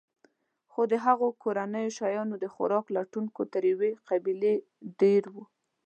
خو د هغوی کورنۍ شیان د خوراک لټونکو تر یوې قبیلې ډېر وو.